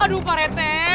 aduh pak rata